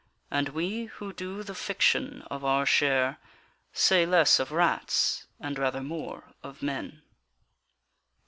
And we who do the fiction of our share Say less of rats and rather more of men.